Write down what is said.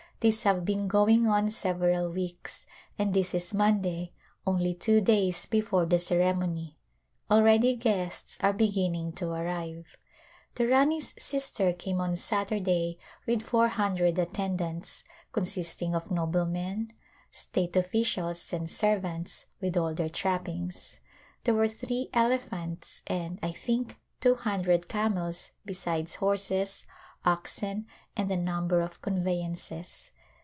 These have been going on several weeks, and this is Monday, only two days before the ceremony. Already guests are begin ning to arrive. The Rani's sister came on Saturday with four hundred attendants, consisting of noblemen, state officials and servants, with all their trappings. There were three elephants and, I think, two hundred camels besides horses, oxen and a number of convey ances.